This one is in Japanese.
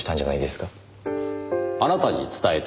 あなたに伝えたい。